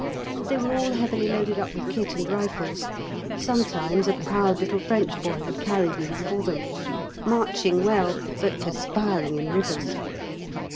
They were all heavily loaded up with kit and rifles (sometimes a proud little French boy would carry these for them), marching well, but perspiring in rivers.